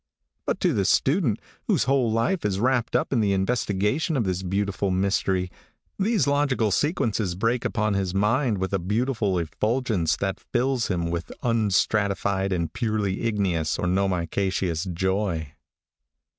But to the student, whose whole life is wrapped up in the investigation of this beautiful mystery, these logical sequences break upon his mind with a beautiful effulgence that fills him with unstratified and purely igneous or nomicaseous joy.